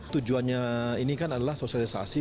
tujuannya ini kan adalah sosialisasi